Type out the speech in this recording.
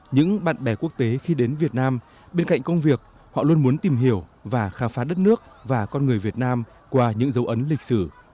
những bạn bè quốc tế khi đến việt nam bên cạnh công việc họ luôn muốn tìm hiểu và khám phá đất nước và con người việt nam qua những dấu ấn lịch sử